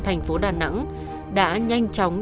thành phố đà nẵng đã nhanh chóng